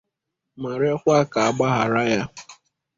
ma rịọkwa ka a gbaghàra ya.